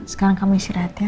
sekarang kamu istirahat ya